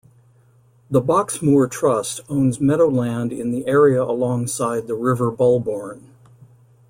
The Box Moor Trust owns meadow land in the area alongside the River Bulbourne.